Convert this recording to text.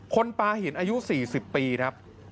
คนปลาหินอายุ๔๐ปีครับ